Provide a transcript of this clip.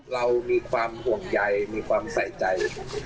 เรามีความห่วงใยมีความใส่ใจ